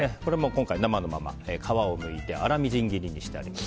今回、生のまま皮をむいて粗みじん切りにしてあります。